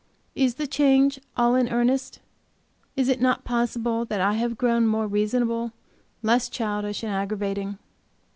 Is the change all in Ernest? Is it not possible that I have grown more reasonable, less childish and aggravating?